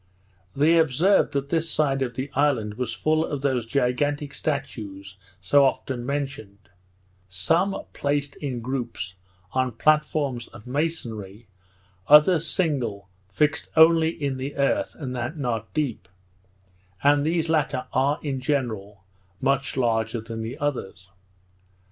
They observed that this side of the island was full of those gigantic statues so often mentioned; some placed in groupes on platforms of masonry, others single, fixed only in the earth, and that not deep; and these latter are, in general, much larger than the others.